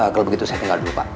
kalau begitu saya tinggal dulu pak